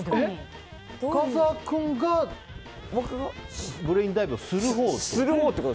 深澤君がブレインダイブするほう？